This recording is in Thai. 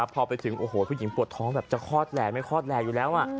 พอไปถึงโอ้โหผู้หญิงปวดท้องแบบจะคลอดแหล่ไม่คลอดแหล่อยู่แล้ว